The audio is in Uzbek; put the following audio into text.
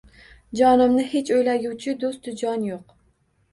Jonimni hech oʼylaguvchi doʼstu jon yoʼq